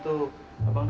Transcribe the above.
perlu sama ember